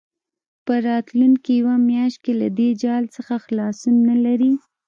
په راتلونکې یوه میاشت کې له دې جال څخه خلاصون نه لري.